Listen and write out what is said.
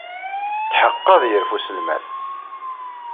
Tḥeqqeɣ ad yerfu uselmad!